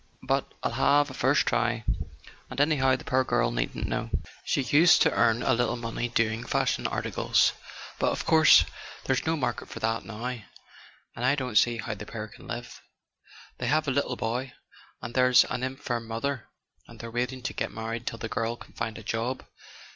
But I'll have a try first; and anyhow the poor girl needn't know. She [ 166 ] A SON AT THE FRONT used to earn a little money doing fashion articles, but of course there's no market for that now, and I don't see how the pair can live. They have a little boy, and there's an infirm mother, and they're waiting to get married till the girl can find a job."